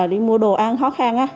đi mua đồ ăn khó khăn á